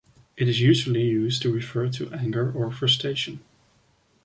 It is usually used to refer to anger or frustration.